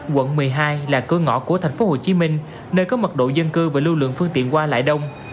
quận một mươi hai là cửa ngõ của tp hcm nơi có mật độ dân cư và lưu lượng phương tiện qua lại đông